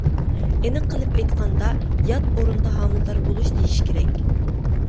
ئېنىق قىلىپ ئېيتقاندا «يات ئورۇندا ھامىلىدار بولۇش» دېيىش كېرەك.